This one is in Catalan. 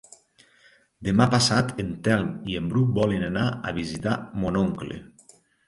Demà passat en Telm i en Bru volen anar a visitar mon oncle.